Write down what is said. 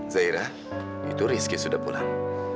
zaira itu rizky sudah pulang